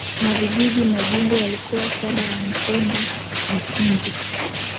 na vijiji Majimbo yalikuwa saba ya Mpemba Nsundi